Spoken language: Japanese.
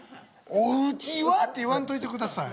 「お家は」って言わんといてください。